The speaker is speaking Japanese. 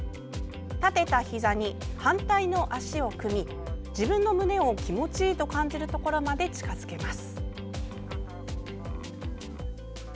立てたひざに反対の脚を組み自分の胸を気持ちいいと感じるところまで近づけます。